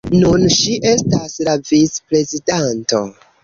Nun ŝi estas la vic-prezidanto.